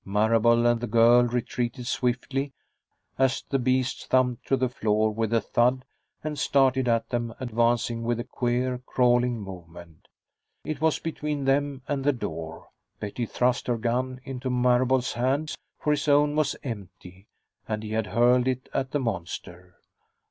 Marable and the girl retreated swiftly, as the beast thumped to the floor with a thud and started at them, advancing with a queer, crawling movement. It was between them and the door. Betty thrust her gun into Marable's hands, for his own was empty and he had hurled it at the monster.